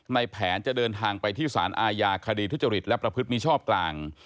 ในแผนจะเดินทางไปที่สารอาญาคดีทุจริตและประพฤติมิชอบกลาง